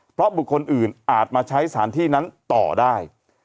เพราะบุคคลอื่นอาจมาใช้สถานที่นั้นต่อได้